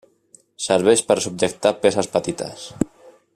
Serveix per subjectar peces petites.